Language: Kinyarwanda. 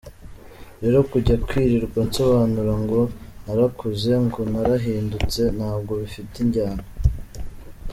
Rero kujya kwirirwa nsobanura ngo narakuze, ngo narahindutse, ntabwo bifite injyana.”